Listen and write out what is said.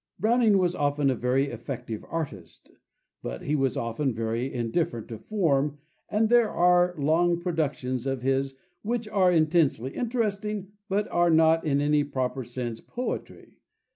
] Browning was often a very effective artist; but he was often very indifferent to form, and there are long productions of his which are intensely interesting but are not in any proper sense poetry.